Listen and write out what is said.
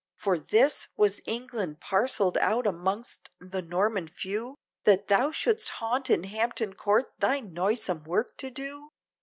For this! was England parcelled out amongst the Norman few, That thou should'st haunt in Hampton Court thy noisome work to do?